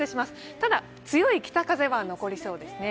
ただ強い北風は残りそうですね。